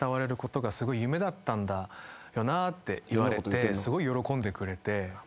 言われてすごい喜んでくれて。